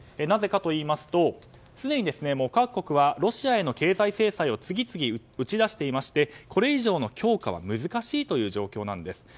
なぜかといいますとすでに各国はロシアへの経済制裁を次々打ち出していましてこれ以上の強化は難しいという状況なんです。